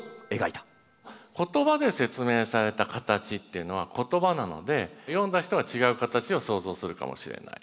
言葉で説明された形っていうのは言葉なので読んだ人は違う形を想像するかもしれない。